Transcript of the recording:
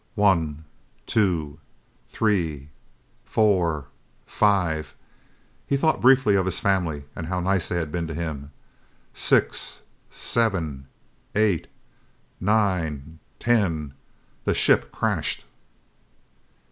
"... One two three four five " he thought briefly of his family and how nice they had been to him "... six seven eight nine ten " The ship crashed.